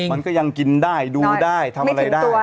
มันก็ยังกินได้ดูได้ทำอะไรได้